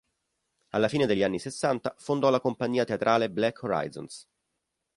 Alla fine degli anni sessanta fondò la compagnia teatrale "Black Horizons".